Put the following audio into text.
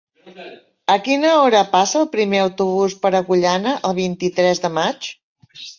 A quina hora passa el primer autobús per Agullana el vint-i-tres de maig?